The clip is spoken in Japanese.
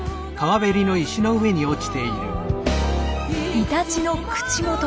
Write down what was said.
イタチの口元。